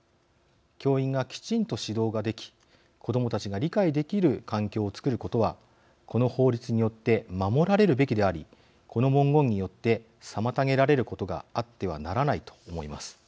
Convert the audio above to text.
教員がきちんと指導ができ子どもたちが理解できる環境を作ることはこの法律によって守られるべきでありこの文言によって妨げられることがあってはならないと思います。